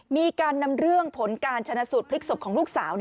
มีการนำเรื่องผลการชนะสูตรพลิกศพของลูกสาว